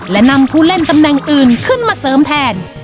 และนำผู้เล่นตำแหน่งอื่นขึ้นมาเสริมแทน